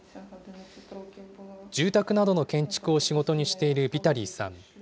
住宅などの建築を仕事にしているビタリーさん。